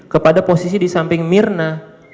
kepada posisi di samping mirna